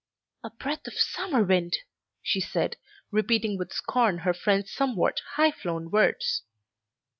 "A breath of summer wind!" she said, repeating with scorn her friend's somewhat high flown words.